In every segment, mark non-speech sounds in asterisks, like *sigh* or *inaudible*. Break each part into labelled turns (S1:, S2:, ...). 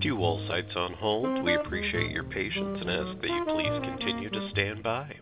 S1: To all sites on hold, we appreciate your patience and ask that you please continue to stand by.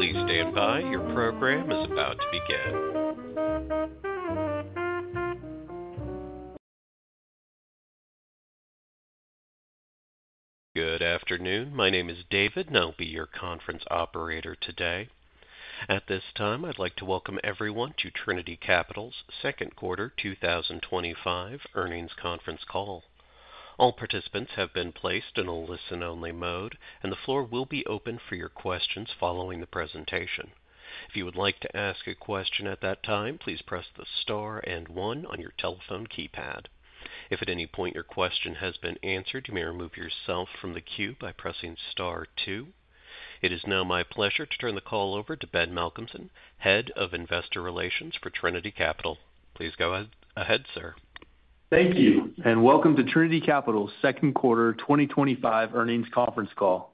S1: Please stand by. Your program is about to begin. Good afternoon. My name is David, and I'll be your conference operator today. At this time, I'd like to welcome everyone to Trinity Capital's Second Quarter 2025 Earnings Conference Call. All participants have been placed in a listen-only mode, and the floor will be open for your questions following the presentation. If you would like to ask a question at that time, please press the star and one on your telephone keypad. If at any point your question has been answered, you may remove yourself from the queue by pressing star two. It is now my pleasure to turn the call over to Ben Malcolmson, Head of Investor Relations for Trinity Capital. Please go ahead, sir.
S2: Thank you, and welcome to Trinity Capital's Second Quarter 2025 Earnings Conference Call.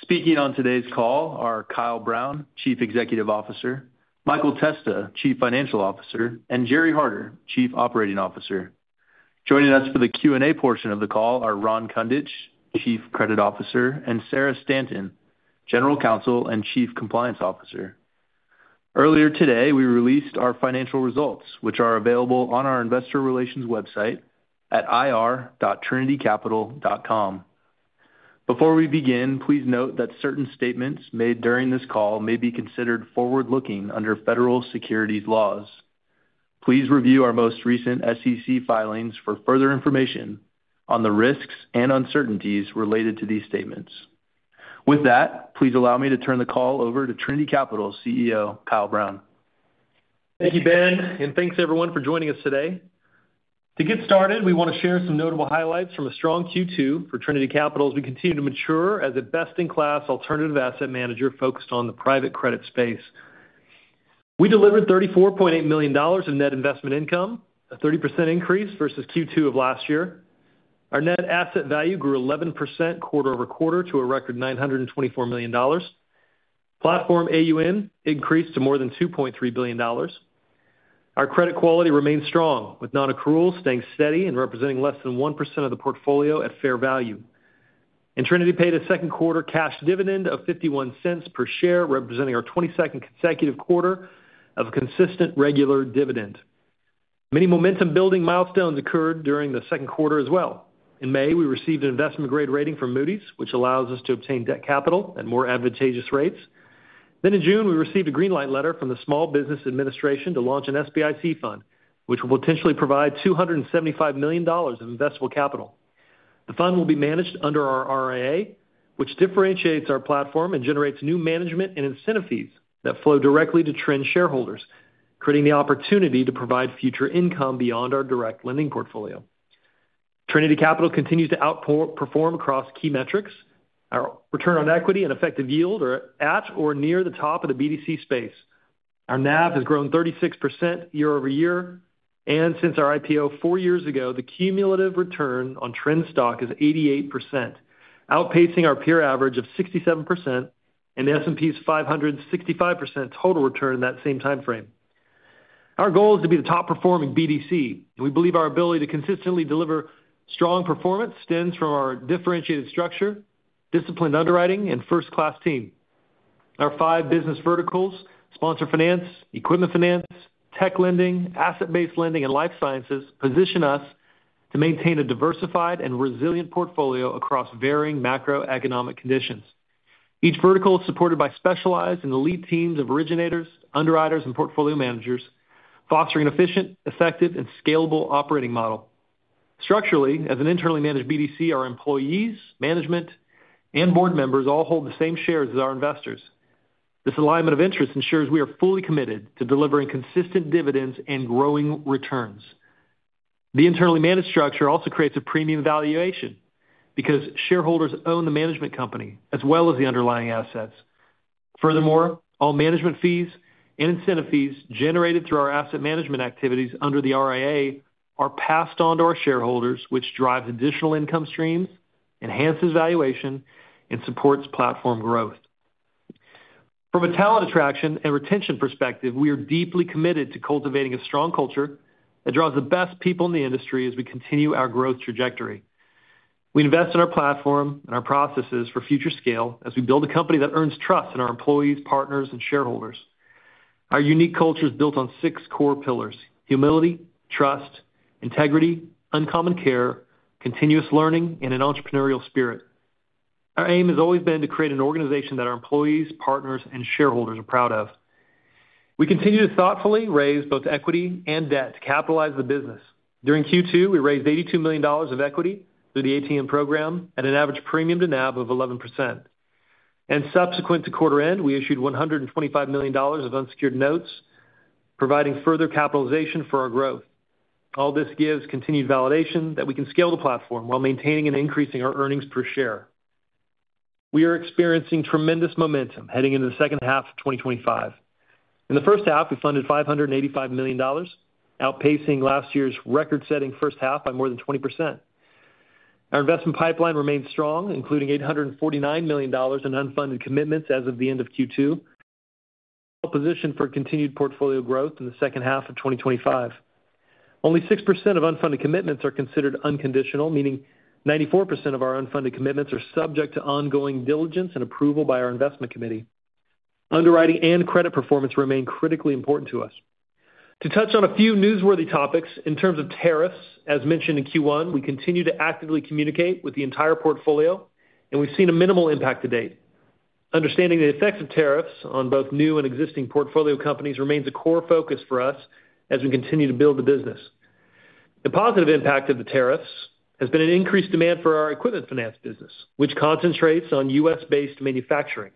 S2: Speaking on today's call are Kyle Brown, Chief Executive Officer, Michael Testa, Chief Financial Officer, and Gerry Harder, Chief Operating Officer. Joining us for the Q&A portion of the call are Ron Kundich, Chief Credit Officer, and Sarah Stanton, General Counsel and Chief Compliance Officer. Earlier today, we released our financial results, which are available on our Investor Relations website at ir.trinitycapital.com. Before we begin, please note that certain statements made during this call may be considered forward-looking under federal securities laws. Please review our most recent SEC filings for further information on the risks and uncertainties related to these statements. With that, please allow me to turn the call over to Trinity Capital's CEO, Kyle Brown.
S3: Thank you, Ben, and thanks everyone for joining us today. To get started, we want to share some notable highlights from a strong Q2 for Trinity Capital as we continue to mature as a best-in-class alternative asset manager focused on the private credit space. We delivered $34.8 million in net investment income, a 30% increase versus Q2 of last year. Our net asset value grew 11% quarter over quarter to a record $924 million. Platform AUM increased to more than $2.3 billion. Our credit quality remains strong, with non-accruals staying steady and representing less than 1% of the portfolio at fair value. Trinity paid a second quarter cash dividend of $0.51 per share, representing our 22nd consecutive quarter of a consistent regular dividend. Many momentum-building milestones occurred during the second quarter as well. In May, we received an investment-grade rating from Moody’s, which allows us to obtain debt capital at more advantageous rates. In June, we received a green light letter from the Small Business Administration to launch an SBIC fund, which will potentially provide $275 million of investable capital. The fund will be managed under our RIA, which differentiates our platform and generates new management and incentive fees that flow directly to TRIN shareholders, creating the opportunity to provide future income beyond our direct lending portfolio. Trinity Capital continues to outperform across key metrics. Our return on equity and effective yield are at or near the top of the BDC space. Our NAV has grown 36% year-over-year, and since our IPO four years ago, the cumulative return on TRIN stock is 88%, outpacing our peer average of 67% and the S&P's 565% total return in that same timeframe. Our goal is to be the top performing BDC, and we believe our ability to consistently deliver strong performance stems from our differentiated structure, disciplined underwriting, and first-class team. Our five business verticals, Sponsor Finance, Equipment Finance, Tech Lending, Asset-Based Lending, and Life Sciences, position us to maintain a diversified and resilient portfolio across varying macroeconomic conditions. Each vertical is supported by specialized and elite teams of originators, underwriters, and portfolio managers, fostering an efficient, effective, and scalable operating model. Structurally, as an internally managed BDC, our employees, management, and board members all hold the same shares as our investors. This alignment of interest ensures we are fully committed to delivering consistent dividends and growing returns. The internally managed structure also creates a premium valuation because shareholders own the management company as well as the underlying assets. Furthermore, all management fees and incentive fees generated through our asset management activities under the RIA are passed on to our shareholders, which drives additional income streams, enhances valuation, and supports platform growth. From a talent attraction and retention perspective, we are deeply committed to cultivating a strong culture that draws the best people in the industry as we continue our growth trajectory. We invest in our platform and our processes for future scale as we build a company that earns trust in our employees, partners, and shareholders. Our unique culture is built on six core pillars: humility, trust, integrity, uncommon care, continuous learning, and an entrepreneurial spirit. Our aim has always been to create an organization that our employees, partners, and shareholders are proud of. We continue to thoughtfully raise both equity and debt to capitalize the business. During Q2, we raised $82 million of equity through the ATM program at an average premium to NAV of 11%. Subsequent to quarter end, we issued $125 million of unsecured notes, providing further capitalization for our growth. All this gives continued validation that we can scale the platform while maintaining and increasing our earnings per share. We are experiencing tremendous momentum heading into the second half of 2025. In the first half, we funded $585 million, outpacing last year's record-setting first half by more than 20%. Our investment pipeline remains strong, including $849 million in unfunded commitments as of the end of Q2, positioned for continued portfolio growth in the second half of 2025. Only 6% of unfunded commitments are considered unconditional, meaning 94% of our unfunded commitments are subject to ongoing diligence and approval by our investment committee. Underwriting and credit performance remain critically important to us. To touch on a few newsworthy topics, in terms of tariffs, as mentioned in Q1, we continue to actively communicate with the entire portfolio, and we've seen a minimal impact to date. Understanding the effect of tariffs on both new and existing portfolio companies remains a core focus for us as we continue to build the business. The positive impact of the tariffs has been an increased demand for our Equipment Finance business, which concentrates on US-based manufacturing.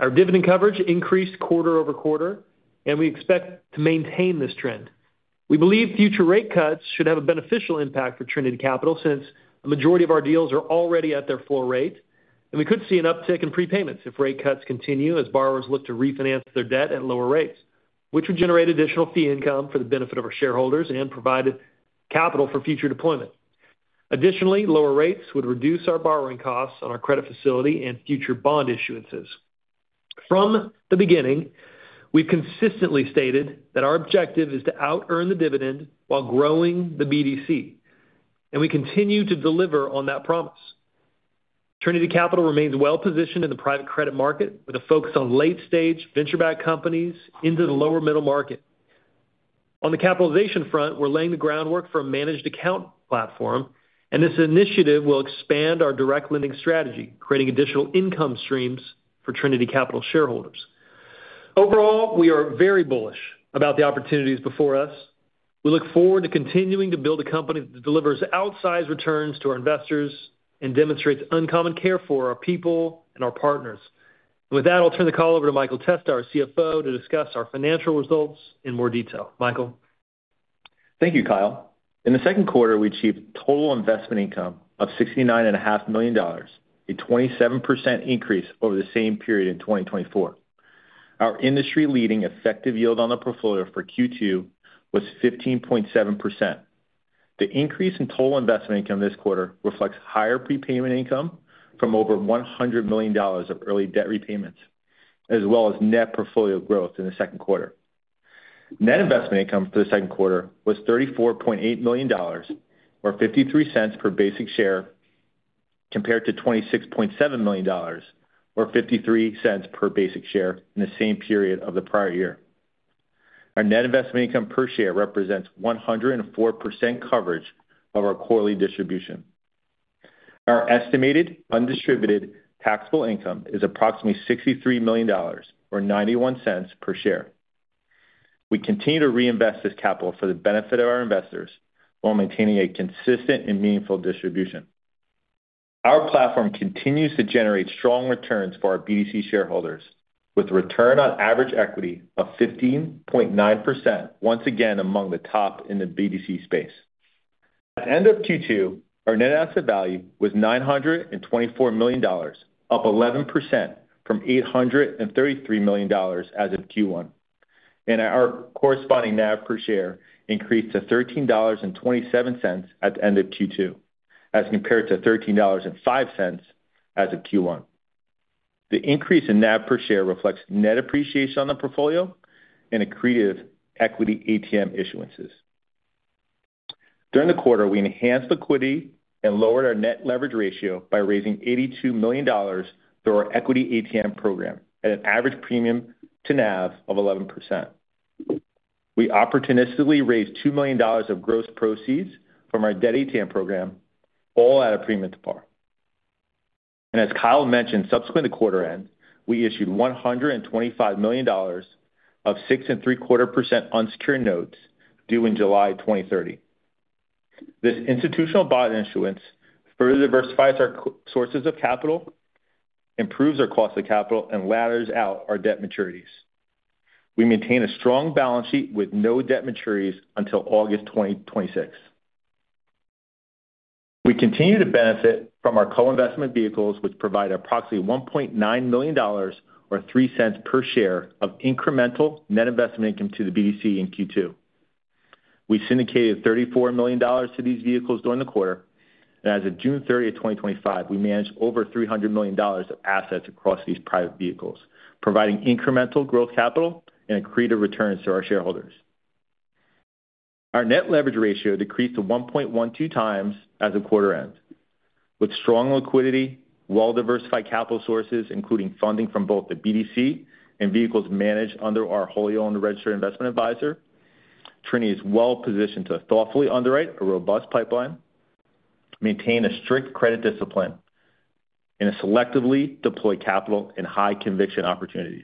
S3: Our dividend coverage increased quarter over quarter, and we expect to maintain this trend. We believe future rate cuts should have a beneficial impact for Trinity Capital since a majority of our deals are already at their floor rate, and we could see an uptick in prepayments if rate cuts continue as borrowers look to refinance their debt at lower rates, which would generate additional fee income for the benefit of our shareholders and provide capital for future deployment. Additionally, lower rates would reduce our borrowing costs on our credit facility and future bond issuances. From the beginning, we've consistently stated that our objective is to out-earn the dividend while growing the BDC, and we continue to deliver on that promise. Trinity Capital remains well-positioned in the private credit market with a focus on late-stage venture-backed companies into the lower middle market. On the capitalization front, we're laying the groundwork for a managed account platform, and this initiative will expand our direct lending strategy, creating additional income streams for Trinity Capital shareholders. Overall, we are very bullish about the opportunities before us. We look forward to continuing to build a company that delivers outsized returns to our investors and demonstrates uncommon care for our people and our partners. With that, I'll turn the call over to Michael Testa, our CFO, to discuss our financial results in more detail. Michael?
S4: Thank you, Kyle. In the second quarter, we achieved total investment income of $69.5 million, a 27% increase over the same period in 2024. Our industry-leading effective yield on the portfolio for Q2 was 15.7%. The increase in total investment income this quarter reflects higher prepayment income from over $100 million of early debt repayments, as well as net portfolio growth in the second quarter. Net investment income for the second quarter was $34.8 million, or $0.53 per basic share, compared to $26.7 million, or $0.53 per basic share in the same period of the prior year. Our net investment income per share represents 104% coverage of our quarterly distribution. Our estimated undistributed taxable income is approximately $63 million, or $0.91 per share. We continue to reinvest this capital for the benefit of our investors while maintaining a consistent and meaningful distribution. Our platform continues to generate strong returns for our BDC shareholders, with a return on average equity of 15.9%, once again among the top in the BDC space. At the end of Q2, our net asset value was $924 million, up 11% from $833 million as of Q1. Our corresponding NAV per share increased to $13.27 at the end of Q2, as compared to $13.05 as of Q1. The increase in NAV per share reflects net appreciation on the portfolio and accreted equity ATM issuances. During the quarter, we enhanced liquidity and lowered our net leverage ratio by raising $82 million through our equity ATM program at an average premium to NAV of 11%. We opportunistically raised $2 million of gross proceeds from our debt ATM program, all at a premium to par. As Kyle mentioned, subsequent to quarter end, we issued $125 million of 6.25% unsecured notes due in July 2030. This institutional bond issuance further diversifies our sources of capital, improves our cost of capital, and ladders out our debt maturities. We maintain a strong balance sheet with no debt maturities until August 2026. We continue to benefit from our co-investment vehicles, which provide approximately $1.9 million, or $0.03 per share of incremental net investment income to the BDC in Q2. We syndicated $34 million to these vehicles during the quarter, and as of June 30, 2025, we managed over $300 million of assets across these private vehicles, providing incremental growth capital and accreted returns to our shareholders. Our net leverage ratio decreased to 1.12 times as the quarter ends. With strong liquidity, well-diversified capital sources, including funding from both the BDC and vehicles managed under our wholly owned registered investment advisor, Trinity is well-positioned to thoughtfully underwrite a robust pipeline, maintain a strict credit discipline, and selectively deploy capital in high conviction opportunities.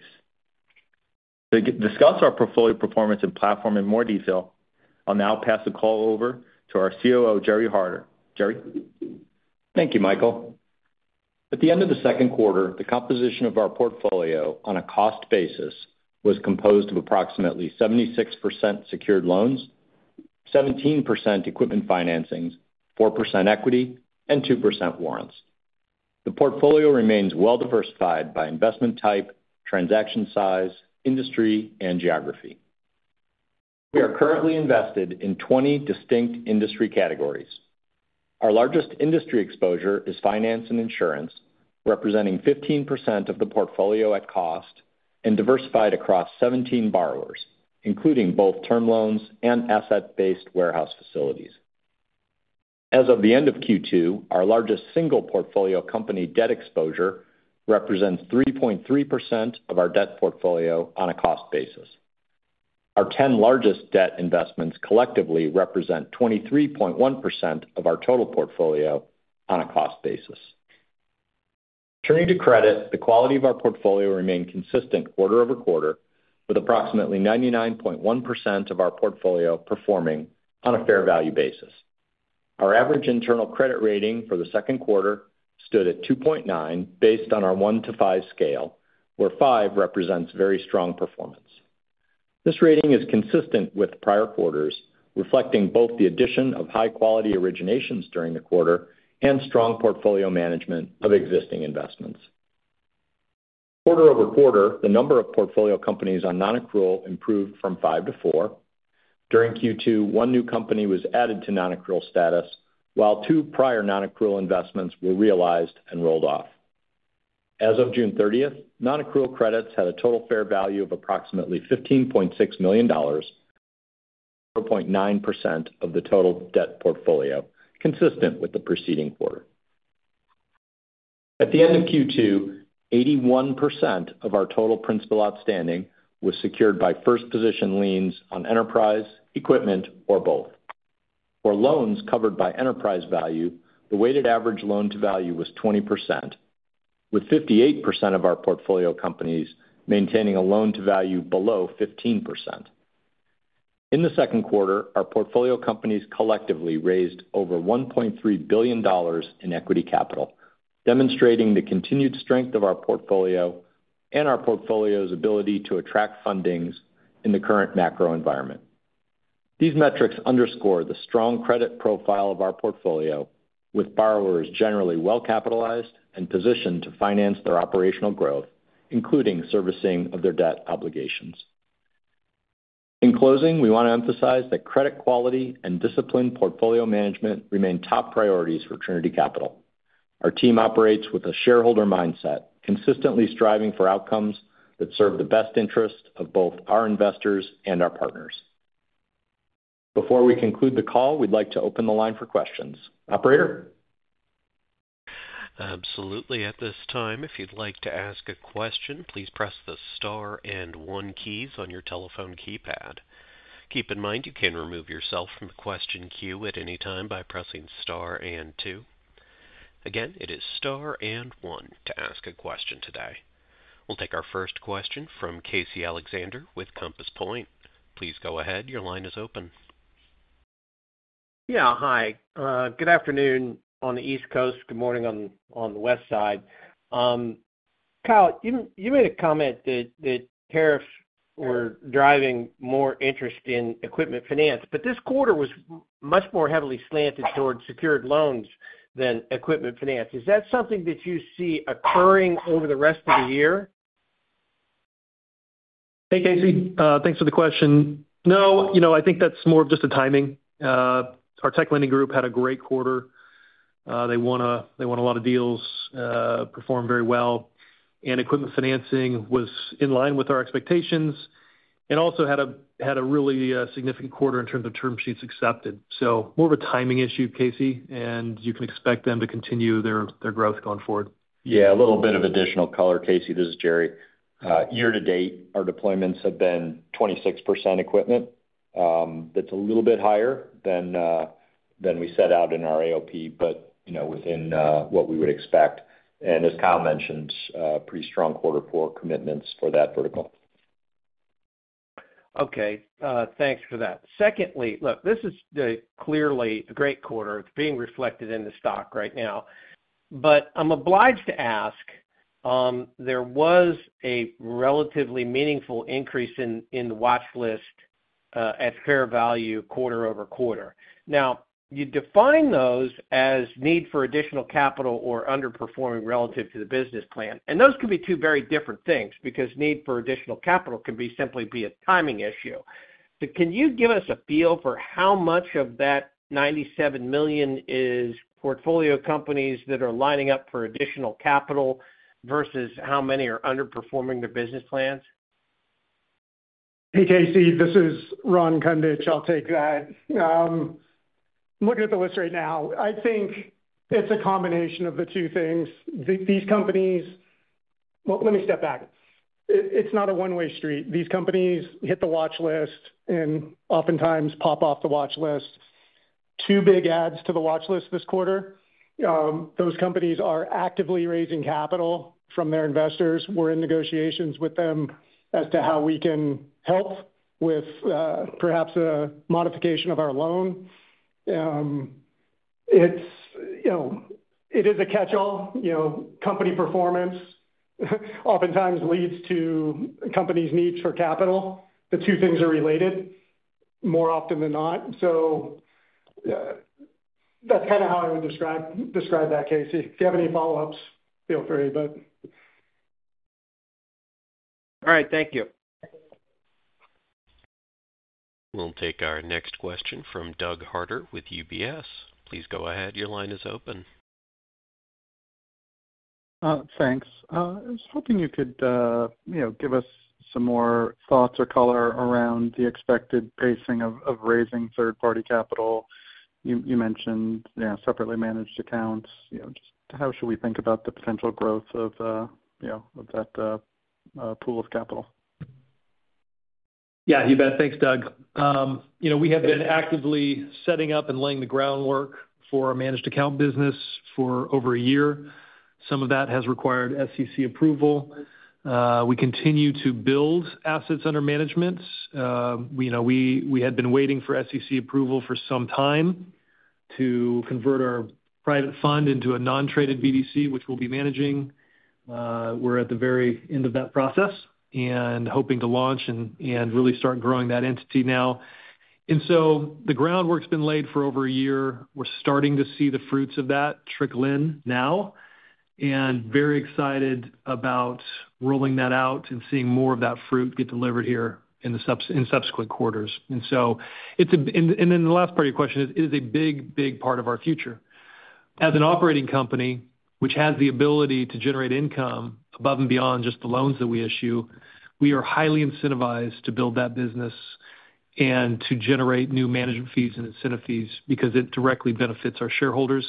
S4: To discuss our portfolio performance and platform in more detail, I'll now pass the call over to our COO, Gerry Harder. Gerry?
S5: Thank you, Michael. At the end of the second quarter, the composition of our portfolio on a cost basis was composed of approximately 76% secured loans, 17% equipment financings, 4% equity, and 2% warrants. The portfolio remains well-diversified by investment type, transaction size, industry, and geography. We are currently invested in 20 distinct industry categories. Our largest industry exposure is finance and insurance, representing 15% of the portfolio at cost and diversified across 17 borrowers, including both term loans and asset-based warehouse facilities. As of the end of Q2, our largest single portfolio company debt exposure represents 3.3% of our debt portfolio on a cost basis. Our 10 largest debt investments collectively represent 23.1% of our total portfolio on a cost basis. Turning to credit, the quality of our portfolio remained consistent quarter over quarter, with approximately 99.1% of our portfolio performing on a fair value basis. Our average internal credit rating for the second quarter stood at 2.9 based on our one to five scale, where five represents very strong performance. This rating is consistent with prior quarters, reflecting both the addition of high-quality originations during the quarter and strong portfolio management of existing investments. Quarter over quarter, the number of portfolio companies on non-accrual improved from five to four. During Q2, one new company was added to non-accrual status, while two prior non-accrual investments were realized and rolled off. As of June 30, non-accrual credits had a total fair value of approximately $15.6 million, 4.9% of the total debt portfolio, consistent with the preceding quarter. At the end of Q2, 81% of our total principal outstanding was secured by first position liens on enterprise, equipment, or both. For loans covered by enterprise value, the weighted average loan-to-value was 20%, with 58% of our portfolio companies maintaining a loan-to-value below 15%. In the second quarter, our portfolio companies collectively raised over $1.3 billion in equity capital, demonstrating the continued strength of our portfolio and our portfolio's ability to attract fundings in the current macro environment. These metrics underscore the strong credit profile of our portfolio, with borrowers generally well-capitalized and positioned to finance their operational growth, including servicing of their debt obligations. In closing, we want to emphasize that credit quality and disciplined portfolio management remain top priorities for Trinity Capital. Our team operates with a shareholder mindset, consistently striving for outcomes that serve the best interests of both our investors and our partners. Before we conclude the call, we'd like to open the line for questions. Operator?
S1: Absolutely. At this time, if you'd like to ask a question, please press the star and one keys on your telephone keypad. Keep in mind you can remove yourself from the question queue at any time by pressing star and two. Again, it is star and one to ask a question today. We'll take our first question from Casey Alexander with Compass Point. Please go ahead. Your line is open.
S6: Yeah, hi. Good afternoon on the East Coast. Good morning on the West Side. Kyle, you made a comment that tariffs were driving more interest in equipment finance, but this quarter was much more heavily slanted towards secured loans than equipment finance. Is that something that you see occurring over the rest of the year?
S3: Hey, Casey. Thanks for the question. No, you know, I think that's more of just a timing. Our Tech Lending group had a great quarter. They won a lot of deals, performed very well, and equipment finance was in line with our expectations and also had a really significant quarter in terms of term sheets accepted. It is more of a timing issue, Casey, and you can expect them to continue their growth going forward.
S5: Yeah, a little bit of additional color, Casey. This is Gerry. Year to date, our deployments have been 26% equipment. That's a little bit higher than we set out in our AOP, but you know, within what we would expect. As Kyle mentioned, pretty strong quarter four commitments for that vertical.
S6: Okay. Thanks for that. Secondly, look, this is clearly a great quarter being reflected in the stock right now. I'm obliged to ask, there was a relatively meaningful increase in the watch list at fair value quarter over quarter. Now, you define those as need for additional capital or underperforming relative to the business plan. Those can be two very different things because need for additional capital can simply be a timing issue. Can you give us a feel for how much of that $97 million is portfolio companies that are lining up for additional capital versus how many are underperforming their business plans?
S7: Hey, Casey. This is Ron Kundich. I'll take that. I'm looking at the list right now. I think it's a combination of the two things. These companies, let me step back. It's not a one-way street. These companies hit the watch list and oftentimes pop off the watch list. Two big adds to the watch list this quarter. Those companies are actively raising capital from their investors. We're in negotiations with them as to how we can help with perhaps a modification of our loan. It is a catch-all. You know, company performance oftentimes leads to a company's need for capital. The two things are related more often than not. That's kind of how I would describe that, Casey. If you have any follow-ups, feel free.
S2: All right. Thank you.
S1: We'll take our next question from Doug Harter with UBS Investment Bank. Please go ahead. Your line is open.
S8: Thanks. I was hoping you could give us some more thoughts or color around the expected pacing of raising third-party capital. You mentioned separately managed accounts. How should we think about the potential growth of that pool of capital?
S3: Yeah, hey, Ben. Thanks, Doug. We have been actively setting up and laying the groundwork for a managed account business for over a year. Some of that has required SEC approval. We continue to build assets under management. We had been waiting for SEC approval for some time to convert our private fund into a non-traded BDC, which we'll be managing. We're at the very end of that process and hoping to launch and really start growing that entity now. The groundwork's been laid for over a year. We're starting to see the fruits of that trickle in now and very excited about rolling that out and seeing more of that fruit get delivered here in the subsequent quarters. It is a big, big part of our future. As an operating company which has the ability to generate income above and beyond just the loans that we issue, we are highly incentivized to build that business and to generate new management fees and incentive fees because it directly benefits our shareholders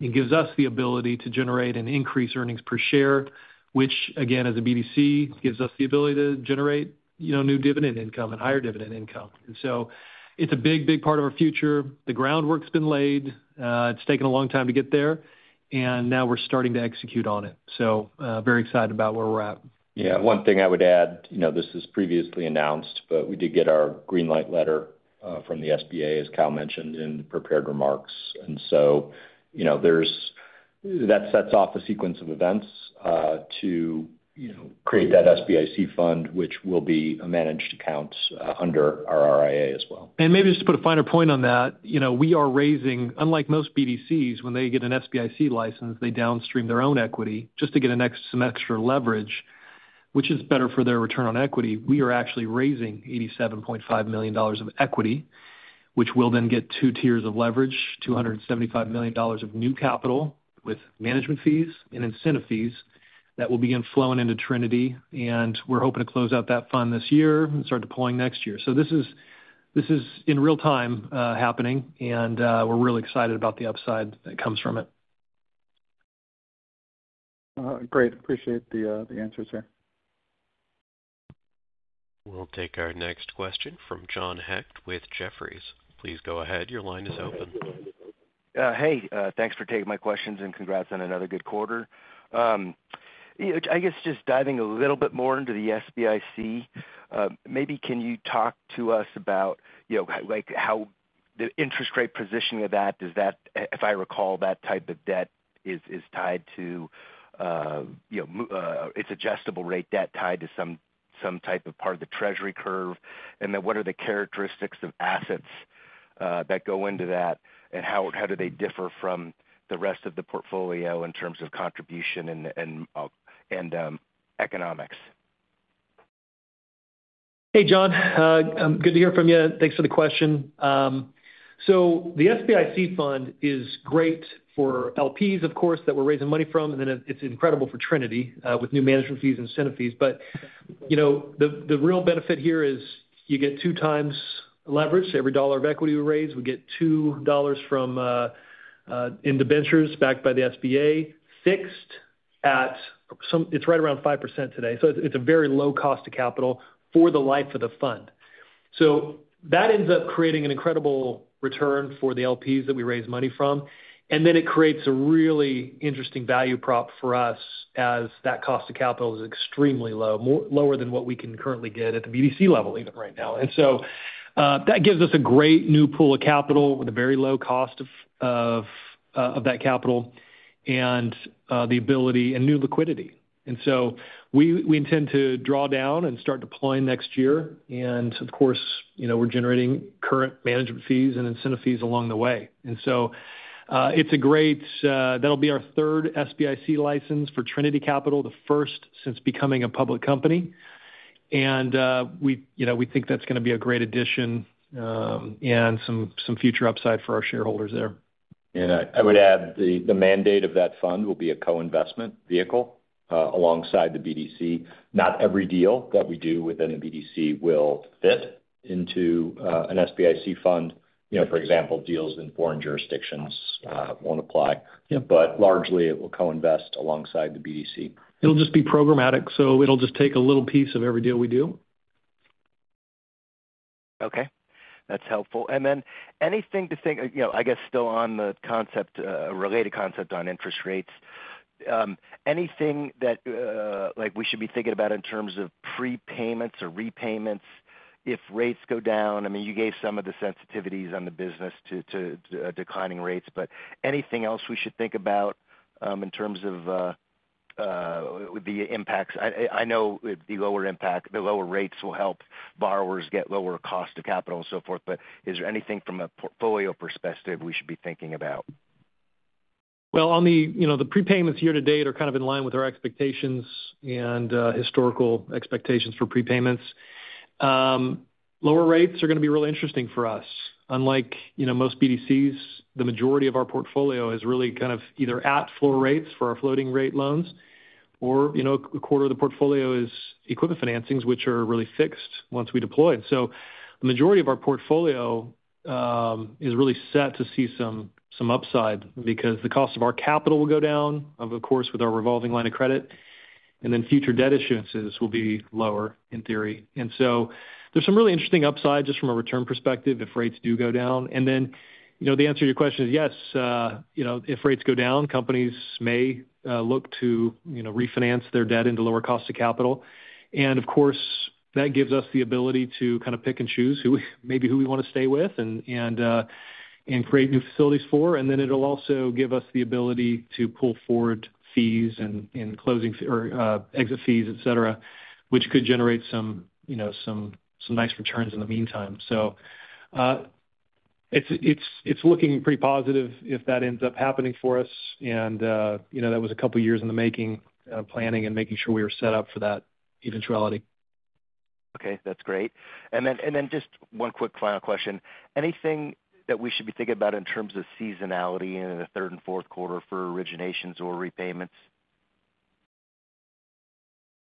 S3: and gives us the ability to generate and increase earnings per share, which again, as a BDC, gives us the ability to generate new dividend income and higher dividend income. It is a big, big part of our future. The groundwork's been laid. It's taken a long time to get there, and now we're starting to execute on it. Very excited about where we're at.
S5: Yeah, one thing I would add, this was previously announced, but we did get our green light letter from the SBA, as Kyle mentioned in the prepared remarks. That sets off a sequence of events to create that SBIC fund, which will be a managed account under our RIA as well.
S3: To put a finer point on that, we are raising, unlike most business development companies, when they get an SBIC license, they downstream their own equity just to get extra leverage, which is better for their return on equity. We are actually raising $87.5 million of equity, which will then get two tiers of leverage, $275 million of new capital with management fees and incentive fees that will begin flowing into Trinity. We are hoping to close out that fund this year and start deploying next year. This is in real time happening, and we're really excited about the upside that comes from it.
S8: Great. Appreciate the answer, sir.
S1: We'll take our next question from John Hecht with Jefferies. Please go ahead. Your line is open.
S9: Hey, thanks for taking my questions and congrats on another good quarter. I guess just diving a little bit more into the SBIC, maybe can you talk to us about, you know, like how the interest rate positioning of that, does that, if I recall, that type of debt is tied to, you know, it's adjustable rate debt tied to some type of part of the Treasury curve. What are the characteristics of assets that go into that and how do they differ from the rest of the portfolio in terms of contribution and economics?
S3: Hey John, good to hear from you. Thanks for the question. The SBIC fund is great for LPs, of course, that we're raising money from, and then it's incredible for Trinity with new management fees and incentive fees. The real benefit here is you get two times leverage. Every dollar of equity we raise, we get $2 from into ventures backed by the SBA, fixed at some, it's right around 5% today. It's a very low cost of capital for the life of the fund. That ends up creating an incredible return for the LPs that we raise money from. It creates a really interesting value prop for us as that cost of capital is extremely low, lower than what we can currently get at the BDC level even right now. That gives us a great new pool of capital with a very low cost of that capital and the ability and new liquidity. We intend to draw down and start deploying next year. Of course, we're generating current management fees and incentive fees along the way. It's a great, that'll be our third SBIC license for Trinity Capital, the first since becoming a public company. We think that's going to be a great addition and some future upside for our shareholders there.
S5: I would add the mandate of that fund will be a co-investment vehicle alongside the BDC. Not every deal that we do within a BDC will fit into an SBIC fund. For example, deals in foreign jurisdictions won't apply, but largely, it will co-invest alongside the BDC.
S3: It'll just be programmatic. It'll just take a little piece of every deal we do.
S9: Okay. That's helpful. Anything to think, you know, I guess still on the concept, related concept on interest rates, anything that we should be thinking about in terms of prepayments or repayments if rates go down? I mean, you gave some of the sensitivities on the business to declining rates, but anything else we should think about in terms of the impacts? I know the lower rates will help borrowers get lower cost of capital and so forth. Is there anything from a portfolio perspective we should be thinking about?
S3: On the prepayments year to date, they are kind of in line with our expectations and historical expectations for prepayments. Lower rates are going to be really interesting for us. Unlike most business development companies, the majority of our portfolio is really kind of either at floor rates for our floating rate loans or a quarter of the portfolio is equipment financings, which are really fixed once we deploy. The majority of our portfolio is really set to see some upside because the cost of our capital will go down, of course, with our revolving line of credit. Future debt issuances will be lower in theory. There is some really interesting upside just from a return perspective if rates do go down. The answer to your question is yes, if rates go down, companies may look to refinance their debt into lower cost of capital. Of course, that gives us the ability to kind of pick and choose who we want to stay with and create new facilities for. It will also give us the ability to pull forward fees and closing or exit fees, which could generate some nice returns in the meantime. It is looking pretty positive if that ends up happening for us. That was a couple of years in the making, planning and making sure we were set up for that eventuality.
S9: Okay, that's great. Just one quick final question. Anything that we should be thinking about in terms of seasonality in the third and fourth quarter for originations or repayments?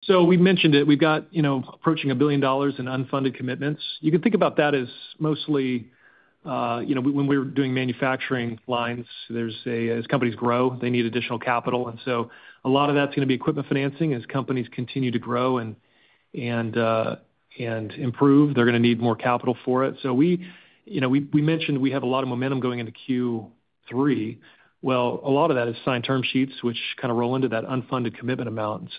S3: We mentioned it. We've got approaching $1 billion in unfunded commitments. You can think about that as mostly when we're doing manufacturing lines, as companies grow, they need additional capital. A lot of that's going to be equipment finance as companies continue to grow and improve. They're going to need more capital for it. We mentioned we have a lot of momentum going into Q3. A lot of that is signed term sheets, which kind of roll into that unfunded commitment amount.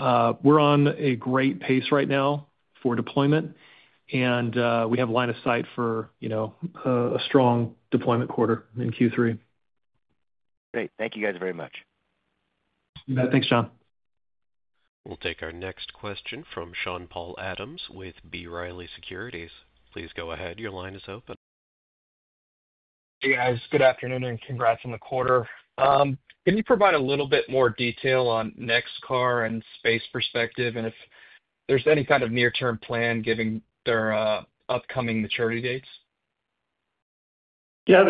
S3: We're on a great pace right now for deployment, and we have a line of sight for a strong deployment quarter in Q3.
S9: Great. Thank you guys very much.
S3: Thanks, John.
S1: We'll take our next question from Sean-Paul Adams with B. Riley Securities. Please go ahead. Your line is open.
S10: Hey guys, good afternoon and congrats on the quarter. Can you provide a little bit more detail on NextCar and Space Perspective, and if there's any kind of near-term plan given their upcoming maturity dates?
S7: Yeah,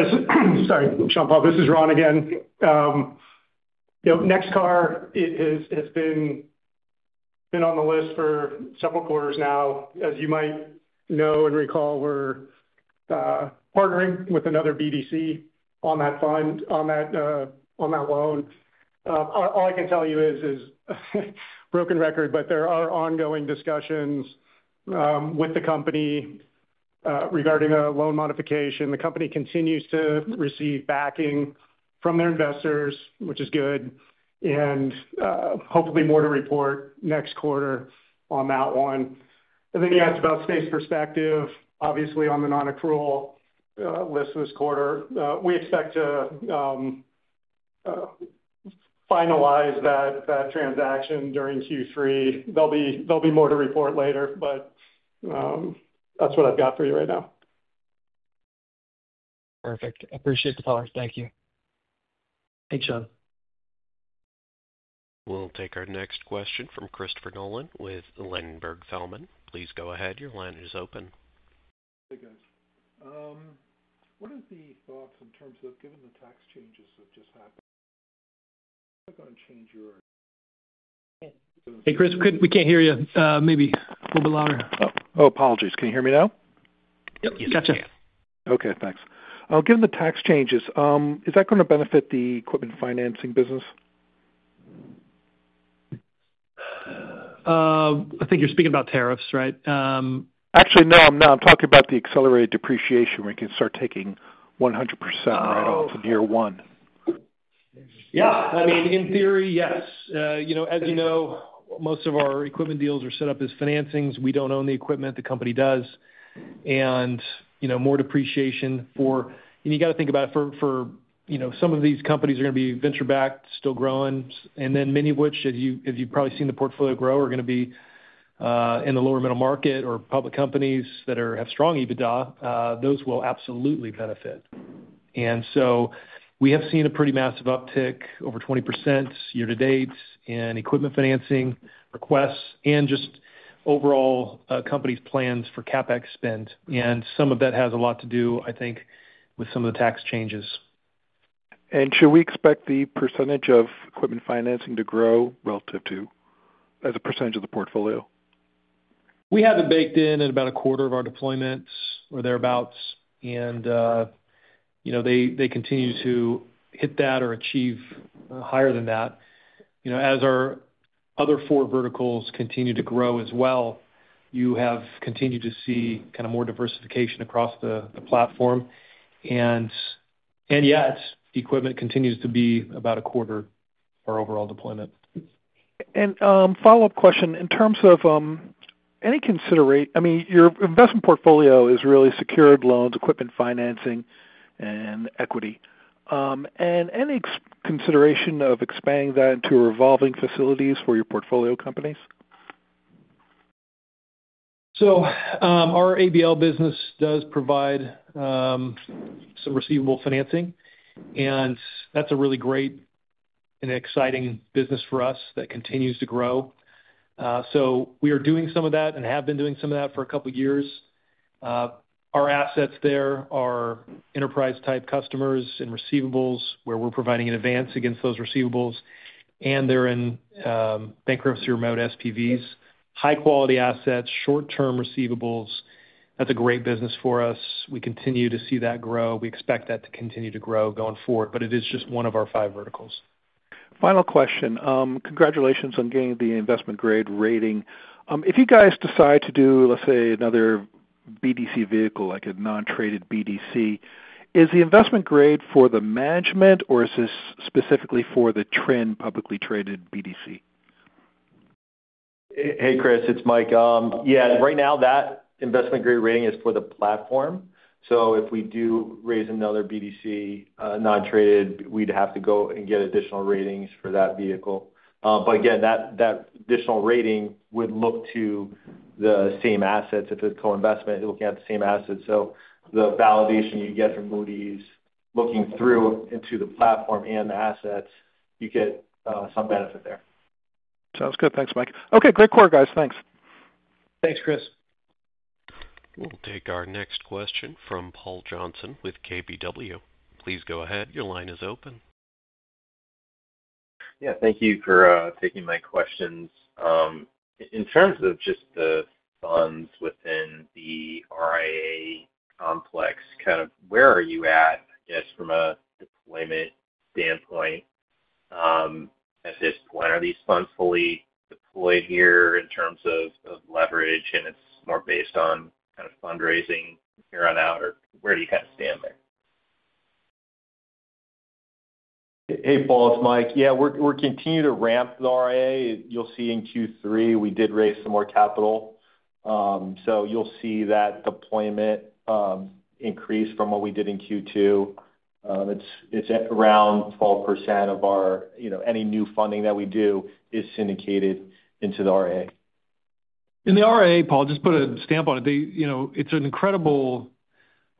S7: sorry to jump off. This is Ron again. You know, NextCar has been on the list for several quarters now. As you might know and recall, we're partnering with another BDC on that fund, on that loan. All I can tell you is it's a broken record, but there are ongoing discussions with the company regarding a loan modification. The company continues to receive backing from their investors, which is good, and hopefully more to report next quarter on that one. You asked about Space Perspective. Obviously, on the non-accrual list this quarter, we expect to finalize that transaction during Q3. There'll be more to report later, but that's what I've got for you right now.
S10: Perfect. Appreciate it. Thank you.
S3: Thanks, Sean.
S1: We'll take our next question from Christopher Nolan with Ladenburg Thalmann. Please go ahead. Your line is open.
S11: Hey guys, what are the thoughts in terms of, given the tax changes that just happened? *audio distortion*
S3: Hey Chris, we can't hear you. Maybe a little bit louder.
S11: Oh, apologies. Can you hear me now?
S3: Yep. Gotcha.
S11: Okay, thanks. Given the tax changes, is that going to benefit the equipment finance business?
S3: I think you're speaking about tariffs, right?
S11: Actually, no, I'm talking about the accelerated depreciation where you can start taking 100% right off of year one.
S3: Yeah, I mean, in theory, yes. As you know, most of our equipment deals are set up as financings. We don't own the equipment. The company does. More depreciation for, and you got to think about it for, some of these companies are going to be venture-backed, still growing. Many of which, as you've probably seen the portfolio grow, are going to be in the lower middle market or public companies that have strong EBITDA. Those will absolutely benefit. We have seen a pretty massive uptick, over 20% year to date, in equipment financing requests and just overall companies' plans for CapEx spend. Some of that has a lot to do, I think, with some of the tax changes.
S11: Should we expect the percentage of equipment finance to grow relative to as a percentage of the portfolio?
S3: We have it baked in at about a quarter of our deployments or thereabouts. They continue to hit that or achieve higher than that. As our other four verticals continue to grow as well, you have continued to see kind of more diversification across the platform. Yet, the equipment continues to be about a quarter of our overall deployment.
S11: In terms of any consideration, I mean, your investment portfolio is really secured loans, equipment finance, and equity. Any consideration of expanding that into revolving facilities for your portfolio companies?
S12: Our ABL does provide some receivable financing. That's a really great and exciting business for us that continues to grow. We are doing some of that and have been doing some of that for a couple of years. Our assets there are enterprise-type customers and receivables where we're providing an advance against those receivables. They're in bankruptcy-remote SPVs. High-quality assets, short-term receivables. That's a great business for us. We continue to see that grow. We expect that to continue to grow going forward, but it is just one of our five verticals.
S11: Final question. Congratulations on getting the investment-grade rating. If you guys decide to do, let's say, another business development company vehicle, like a non-traded BDC, is the investment grade for the management, or is this specifically for the trend publicly traded BDC?
S4: Hey Chris, it's Mike. Yeah, right now that investment-grade rating is for the platform. If we do raise another BDC non-traded, we'd have to go and get additional ratings for that vehicle. That additional rating would look to the same assets. If it's co-investment, you're looking at the same assets. The validation you get from Moody’s looking through into the platform and the assets, you get some benefit there.
S11: Sounds good. Thanks, Mike. Okay, great quarter, guys. Thanks.
S3: Thanks, Chris.
S1: We'll take our next question from Paul Johnson with KBW. Please go ahead. Your line is open.
S13: Thank you for taking my questions. In terms of just the funds within the RIA complex, where are you at from a deployment standpoint at this point? Are these funds fully deployed here in terms of leverage and it's more based on fundraising here on out, or where do you stand there?
S4: Hey Paul, it's Mike. Yeah, we're continuing to ramp the RIA. You'll see in Q3, we did raise some more capital. You'll see that deployment increase from what we did in Q2. It's around 12% of our, you know, any new funding that we do is syndicated into the RIA.
S3: In the RIA, Paul, just put a stamp on it. It's an incredible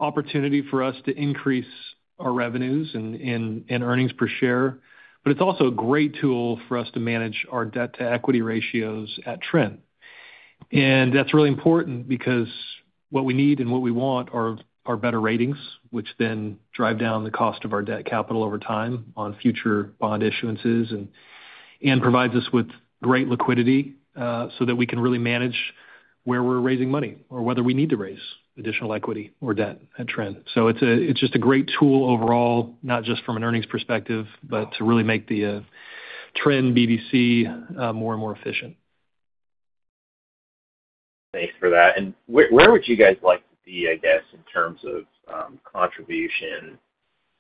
S3: opportunity for us to increase our revenues and earnings per share, but it's also a great tool for us to manage our debt-to-equity ratios at trend. That's really important because what we need and what we want are better ratings, which then drive down the cost of our debt capital over time on future bond issuances and provides us with great liquidity. We can really manage where we're raising money or whether we need to raise additional equity or debt at trend. It's just a great tool overall, not just from an earnings perspective, but to really make the Trinity Capital BDC more and more efficient.
S13: Thank you for that. Where would you guys like to be, I guess, in terms of contribution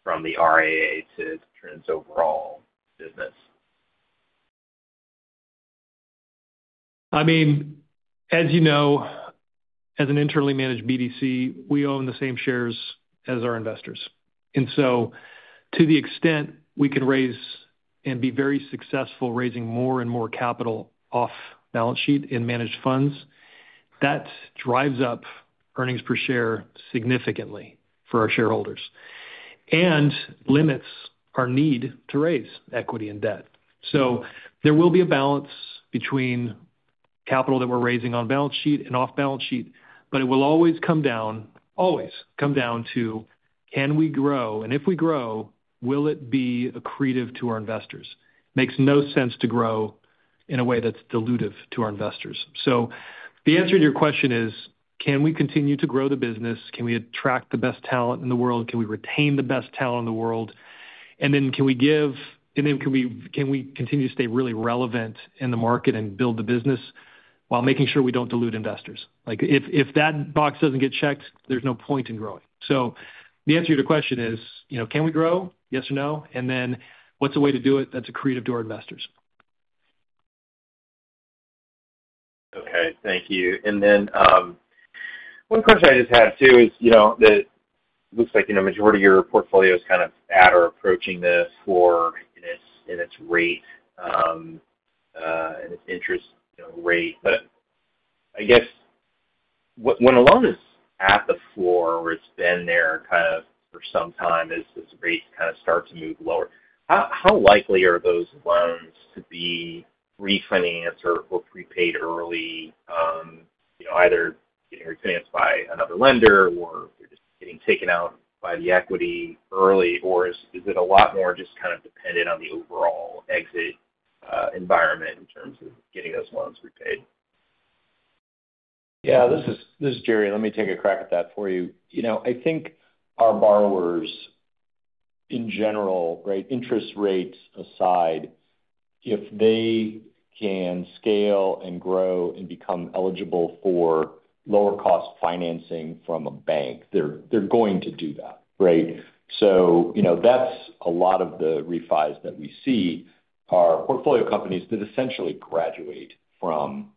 S13: from the RIA to TRIN's overall business?
S3: I mean, as you know, as an internally managed BDC, we own the same shares as our investors. To the extent we can raise and be very successful raising more and more capital off balance sheet in managed funds, that drives up earnings per share significantly for our shareholders and limits our need to raise equity and debt. There will be a balance between capital that we're raising on balance sheet and off balance sheet, but it will always come down to can we grow? If we grow, will it be accretive to our investors? It makes no sense to grow in a way that's dilutive to our investors. The answer to your question is, can we continue to grow the business? Can we attract the best talent in the world? Can we retain the best talent in the world? Can we continue to stay really relevant in the market and build the business while making sure we don't dilute investors? If that box doesn't get checked, there's no point in growing. The answer to your question is, you know, can we grow? Yes or no? What's a way to do it that's accretive to our investors?
S13: Okay, thank you. One question I just had too is, it looks like a majority of your portfolio is kind of at or approaching the floor in its rate and its interest rate. I guess when a loan is at the floor or it's been there for some time, as the rates start to move lower, how likely are those loans to be refinanced or prepaid early? Either you're financed by another lender or you're just getting taken out by the equity early, or is it a lot more dependent on the overall exit environment in terms of getting those loans prepaid?
S5: Yeah, this is Gerry. Let me take a crack at that for you. I think our borrowers in general, right, interest rates aside, if they can scale and grow and become eligible for lower cost financing from a bank, they're going to do that, right? A lot of the refis that we see are portfolio companies that essentially graduate from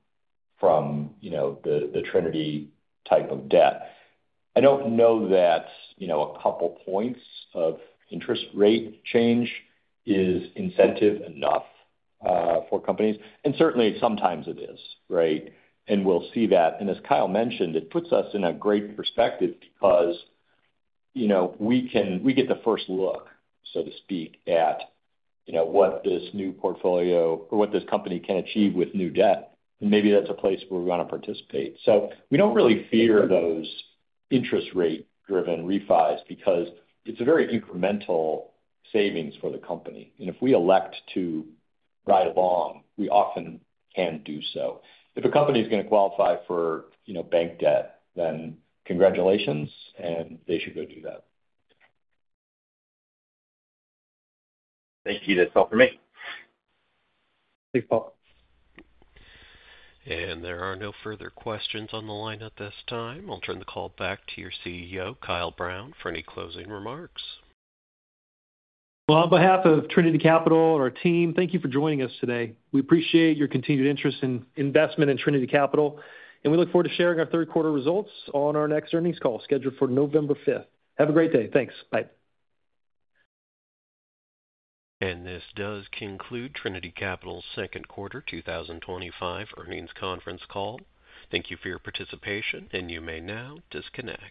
S5: the Trinity type of debt. I don't know that a couple points of interest rate change is incentive enough for companies. Certainly, sometimes it is, right? We'll see that. As Kyle mentioned, it puts us in a great perspective because we get the first look, so to speak, at what this new portfolio or what this company can achieve with new debt. Maybe that's a place where we want to participate. We don't really fear those interest rate-driven refis because it's a very incremental savings for the company. If we elect to ride along, we often can do so. If a company is going to qualify for bank debt, then congratulations, and they should go do that.
S13: Thank you. That's all for me.
S3: Thanks, Paul.
S1: There are no further questions on the line at this time. I'll turn the call back to your CEO, Kyle Brown, for any closing remarks.
S3: On behalf of Trinity Capital and our team, thank you for joining us today. We appreciate your continued interest in and investment in Trinity Capital, and we look forward to sharing our third quarter results on our next earnings call scheduled for November 5th. Have a great day. Thanks. Bye.
S1: This does conclude Trinity Capital's Second Quarter 2025 Earnings Conference call. Thank you for your participation, and you may now disconnect.